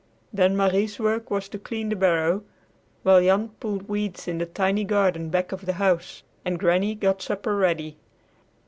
Then Marie's work was to clean the barrow, while Jan pulled weeds in the tiny garden back of the house, and Granny got supper ready.